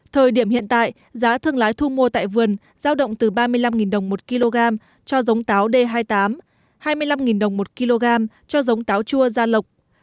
thời điểm hiện tại giá thương lái thu mua tại vườn giao động từ ba mươi năm đồng một kg cho giống táo d hai mươi tám hai mươi năm đồng một kg cho giống táo chua gia lộc